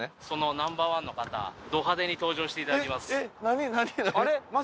そのＮｏ．１の方ド派手に登場していただきます。